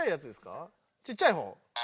ちっちゃいほう。